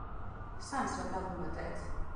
სამს რა დავუმატეთ?